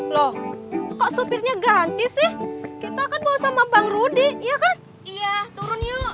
loh kok supirnya ganti sih kita akan bawa sama bang rudi iya kan iya turun yuk